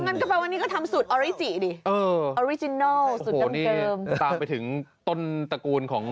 งั้นก็แปลวันนี้ก็ทำสูตรอริจิดิเออสูตรดั้งเดิมตามไปถึงต้นตระกูลของ